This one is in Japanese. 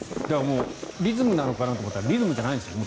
リズムなのかなと思ったらリズムじゃないんですね。